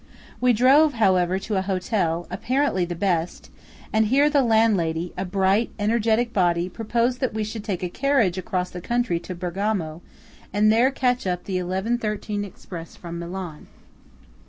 We drove, however, to a hotel, apparently the best; and here the landlady, a bright energetic body, proposed that we should take a carriage across the country to Bergamo, and there catch up the 11.13 Express from Milan.